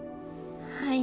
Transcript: はい。